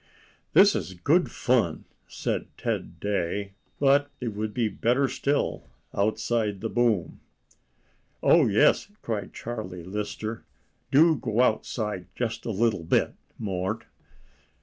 "This is good fun," said Ted Day, "but it would be better still outside the boom." "Oh yes!" cried Charlie Lister. "Do go outside; just a little bit, Mort."